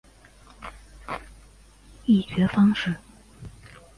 议决方式